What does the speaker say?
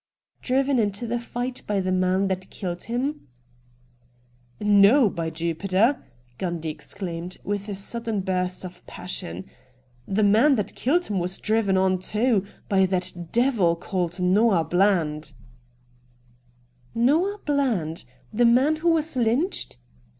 ' Driven into the fight by the man that killed him?' ' No, by Jupiter !' Gundy exclaimed, with a sudden burst of passion. ' The man that killed him was driven on, too, by that devil called Noah Bland.' 236 RED DIAMONDS ' Noah Bland ! The man who was lynched